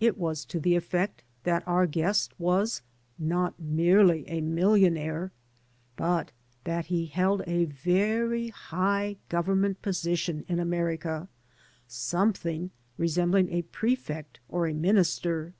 It was to the effect that our guest was not merely a millionaire, but that he held a very high government position in America, something resembling a prefect or a minister.